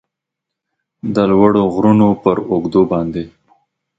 د لوړو غرونو پراوږو باندې